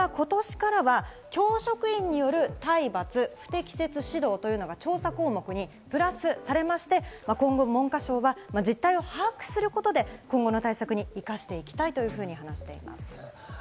それが今年からは教職員による体罰、不適切指導というのが調査項目にプラスされまして、今後、文科省は実態を把握することで今後の対策に生かしていきたいと話しています。